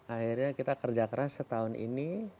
akhirnya kita kerja keras setahun ini